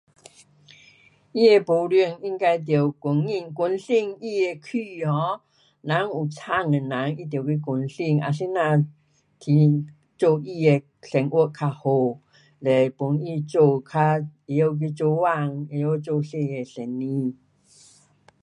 它的部长应该得关心，关心他的区 um 人有惨的人，他得去关心，啊怎样去做他的生活较好，嘞帮他做较，会晓去做工，会晓做小的生意。